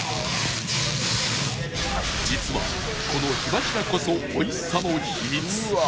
実はこの火柱こそ美味しさの秘密